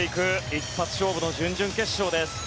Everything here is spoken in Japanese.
一発勝負の準々決勝です。